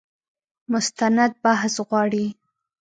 مستند بحث غواړي.